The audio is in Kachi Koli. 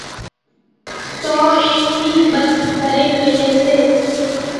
تو اين ٿي ٻٿ ڀرين ملي سي